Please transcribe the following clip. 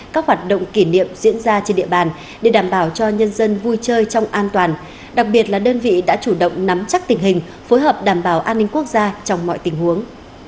các hoạt động kỷ niệm diễn ra trên địa bàn để đảm bảo cho nhân dân vui chơi trong an toàn đặc biệt là đơn vị đã chủ động nắm chắc tình hình phối hợp đảm bảo an ninh quốc gia trong mọi tình huống